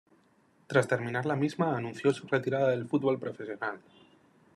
Tras terminar la misma, anunció su retirada del fútbol profesional.